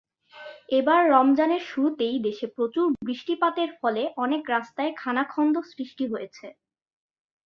এবার রমজানের শুরুতেই দেশে প্রচুর বৃষ্টিপাতের ফলে অনেক রাস্তায় খানাখন্দ সৃষ্টি হয়েছে।